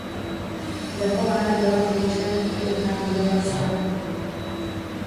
Zachována byla průčelní obytná budova statku.